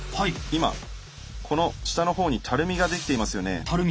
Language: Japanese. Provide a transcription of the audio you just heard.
今この下の方にたるみが出来ていますよね？